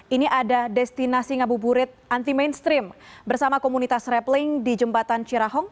ini ada destinasi ngabuburit anti mainstream bersama komunitas rappling di jembatan cirahong